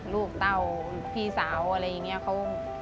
เต้าพี่สาวอะไรอย่างนี้